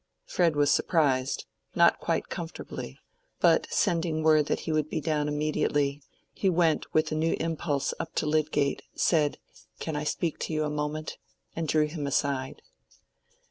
Fred was surprised, not quite comfortably, but sending word that he would be down immediately, he went with a new impulse up to Lydgate, said, "Can I speak to you a moment?" and drew him aside.